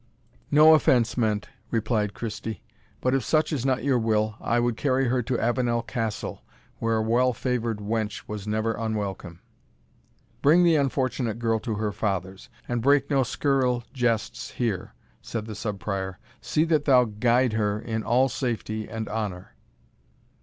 "No offence meant," replied Christie; "but if such is not your will, I would carry her to Avenel Castle, where a well favoured wench was never unwelcome. "Bring the unfortunate girl to her father's and break no scurril jests here," said the Sub Prior "See that thou guide her in all safety and honour."